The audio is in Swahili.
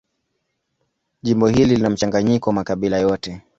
Jimbo hili lina mchanganyiko wa makabila yote.